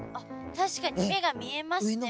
確かに目が見えますね